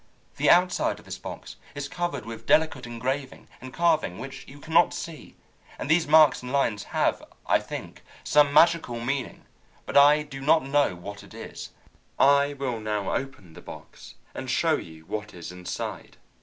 The outside of this box is covered with delicate engraving and carving which you cannot see, and these marks and lines have, I think, some magical meaning, but I do not know what it is. I will now open the box and show you what is inside.